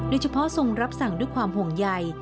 โดยเฉพาะทรงรับสั่งด้วยความห่วงใย